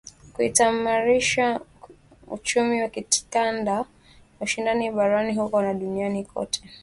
kutaimarisha uchumi wa kikanda na ushindani barani huko na duniani kote